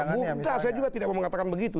bukan saya juga tidak mau mengatakan begitu